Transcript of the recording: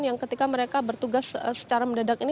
yang ketika mereka bertugas secara mendadak ini